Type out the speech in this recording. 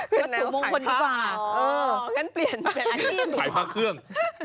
เพราะว่าเป็นแนวขายผ้าขายผ้าเครื่อง